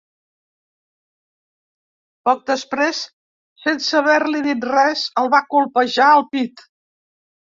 Poc després, sense haver-li dit res, el va colpejar al pit.